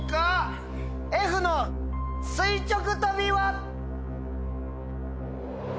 Ｆの垂直とびは？